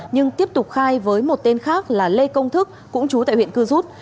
nhưng tiếp tục khai với một tên khác là lê công thức cũng chú tại huyện cư rút